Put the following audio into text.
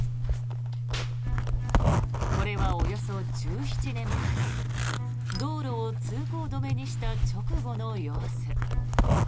これはおよそ１７年前道路を通行止めにした直後の様子。